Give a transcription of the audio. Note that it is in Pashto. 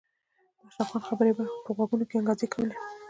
د اشرف خان خبرې به یې په غوږونو کې انګازې کولې